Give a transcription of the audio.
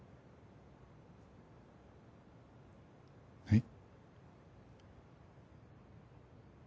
はい？